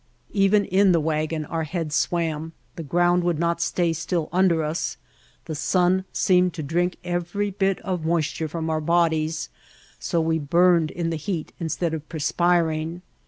Even in the wagon our heads swam, the ground would not stay still under us, the sun seemed to drink every bit of moisture from our bodies so we burned in the heat instead of perspiring.